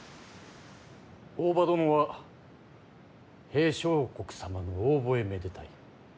大庭殿は平相国様のお覚えめでたい。